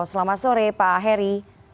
selamat sore pak heri